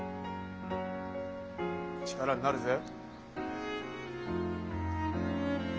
力になるぜ。